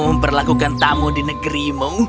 memperlakukan tamu di negerimu